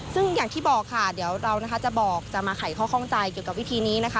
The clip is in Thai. ซึ่งอย่างที่บอกค่ะเดี๋ยวเรานะคะจะบอกจะมาไขข้อข้องใจเกี่ยวกับวิธีนี้นะคะ